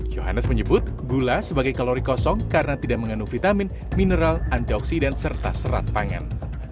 johannes menyebut gula sebagai kalori kosong karena tidak mengandung vitamin mineral antioksidan serta serat pangan